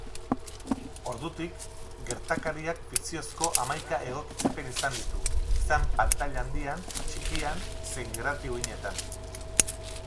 Ordutik, gertakariak fikziozko hamaika egokitzapen izan ditu, izan pantaila handian, txikian zein irrati uhinetan.